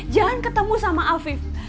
jangan ketemu sama afif